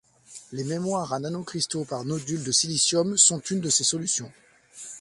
Les mémoires à nanocristaux par nodules de silicium sont une de ces solutions.